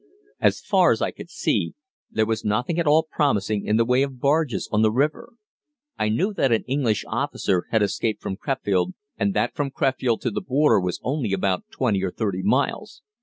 As far as I could see, there was nothing at all promising in the way of bargees on the river. I knew that an English officer had escaped from Crefeld, and that from Crefeld to the frontier was only about twenty or thirty miles.